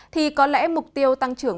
thì có lẽ mục tiêu tăng trưởng